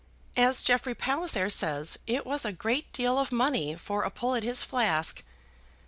As Jeffrey Palliser says, it was a great deal of money for a pull at his flask.